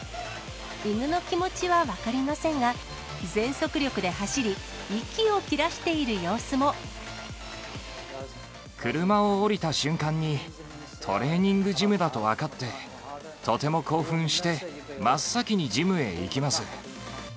犬の気持ちは分かりませんが、全速力で走り、息を切らしている車を降りた瞬間に、トレーニングジムだと分かって、とても興奮して、真っ先にジムへ行きます。